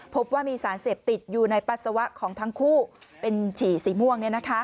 พบว่ามีสารเสพติดอยู่ในปัสสาวะของทั้งคู่เป็นฉี่สีม่วง